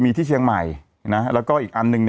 มีที่เชียงใหม่แล้วก็อีกอันหนึ่ง